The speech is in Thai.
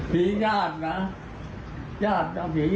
ผีมาบอกว่ะเนี่ย